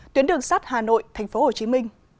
tuyến đường sát hà nội tp hcm